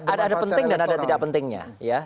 ada ada penting dan ada tidak pentingnya